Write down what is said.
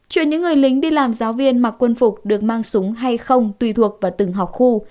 chuyện những người lính đi làm giáo viên mặc quân phục được mang súng hay không tùy thuộc vào từng học khu